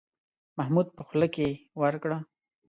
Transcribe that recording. محمود په خوله کې ورکړه.